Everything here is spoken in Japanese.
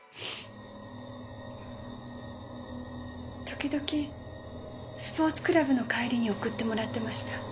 時々スポーツクラブの帰りに送ってもらってました。